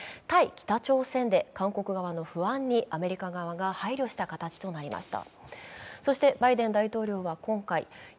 北朝鮮で韓国側の不安にアメリカ側が配慮した形となりました。